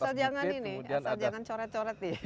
asal jangan ini asal jangan coret coret nih